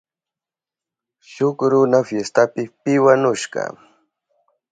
Shuk runa fiestapi piwanushka.